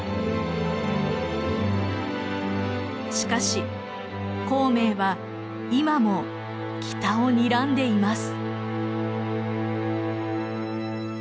しかし孔明は今も北をにらんでいます。